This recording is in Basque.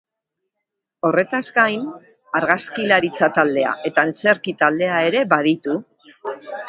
Horretaz gain, argazkilaritza-taldea eta antzerki-taldea ere baditu.